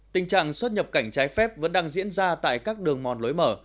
tình trạng xuất nhập cảnh trái phép vẫn đang diễn ra tại các đường mòn lối mở